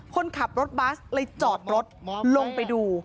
คนขับรถบัสเลยจอดรถลงไปดู